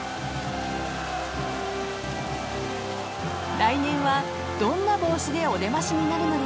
［来年はどんな帽子でお出ましになるのでしょうか］